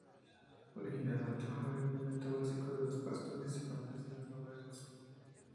Originalmente fue el alimento básico de los pastores y campesinos noruegos.